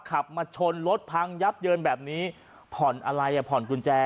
ขับมาชนรถพังยับเยินแบบนี้ผ่อนอะไรอ่ะผ่อนกุญแจ